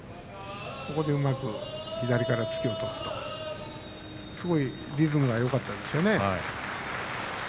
ここでうまく左から突き落とすとすごいリズムがよかったですね。